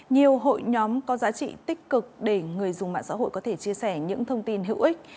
nhiều hội nhóm có giá trị tích cực để người dùng mạng xã hội có thể chia sẻ những thông tin hữu ích